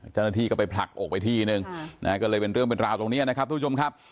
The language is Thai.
เจ้าหน้าที่ก็ไปผลักอกไปทีนึงนะฮะก็เลยเป็นเรื่องเป็นราวตรงนี้นะครับทุกผู้ชมครับ